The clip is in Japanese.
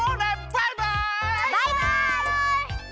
バイバイ！